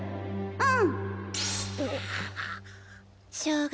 うん！